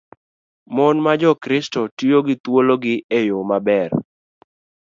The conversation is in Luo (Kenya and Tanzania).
Mon ma Jokristo tiyo gi thuologi e yo maber.